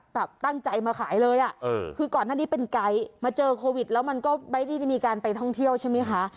ขายเลยอ่ะคือก่อนท่านนี้เป็นไกด์มาเจอโควิดแล้วมันก็ไม่ได้มีการไปท่องเที่ยวใช่มั้ยคะ